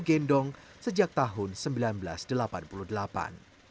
sudarni juga menjual jamu gendong sejak tahun seribu sembilan ratus delapan puluh delapan